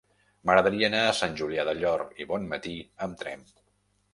M'agradaria anar a Sant Julià del Llor i Bonmatí amb tren.